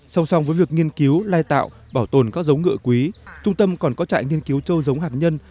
song song với việc nghiên cứu lai tạo bảo tồn các giống ngựa quý trung tâm còn có trại nghiên cứu châu giống hạt nhân